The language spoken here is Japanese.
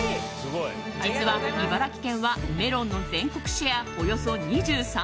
実は茨城県はメロンの全国シェアおよそ２３％。